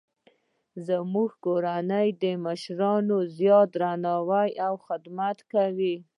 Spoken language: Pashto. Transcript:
زموږ کورنۍ د مشرانو زیات درناوی او خدمت کوي